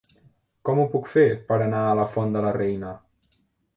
Com ho puc fer per anar a la Font de la Reina?